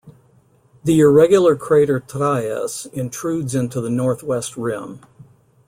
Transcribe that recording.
The irregular crater Tralles intrudes into the northwest rim.